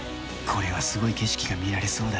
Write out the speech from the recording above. これはすごい景色が見られそうだ。